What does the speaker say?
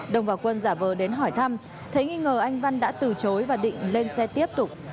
đồng và quân giả vờ đến hỏi thăm thấy nghi ngờ anh văn đã từ chối và định lên xe tiếp tục